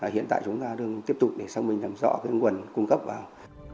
hiện tại chúng ta đang tiếp tục để xong mình làm rõ cái nguồn cung cấp vào